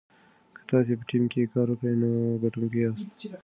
که تاسي په ټیم کې کار وکړئ نو ګټونکي یاست.